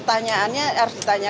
kemudian juga berusia berhenti